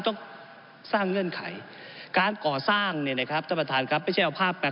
ผมอภิปรายเรื่องการขยายสมภาษณ์รถไฟฟ้าสายสีเขียวนะครับ